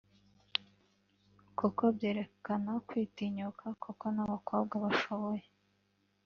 kuko byerekana kwitinyuka kuko n’abakobwa bashoboye